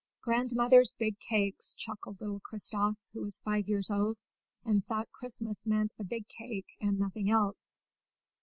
"Grandmother's big cakes!" chuckled little Christof, who was five years old, and thought Christmas meant a big cake and nothing else.